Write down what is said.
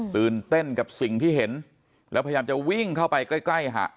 ตื่นเต้นกับสิ่งที่เห็นแล้วพยายามจะวิ่งเข้าไปใกล้หะ